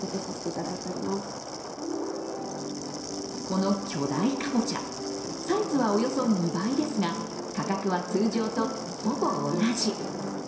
この巨大かぼちゃ、サイズはおよそ２倍ですが、価格は通常とほぼ同じ。